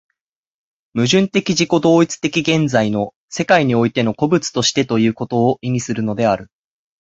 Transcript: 矛盾的自己同一的現在の世界においての個物としてということを意味するのである。